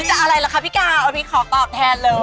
โอ๊ยจะอะไรล่ะคะพี่กาเอาพี่ขอตอบแทนเลย